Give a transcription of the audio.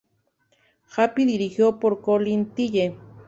Happy, dirigido por Colin Tilley.